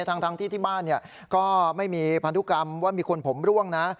ทั้งที่ที่บ้านก็ไม่มีพันธุกรรมว่ามีคนผมร่วงนะ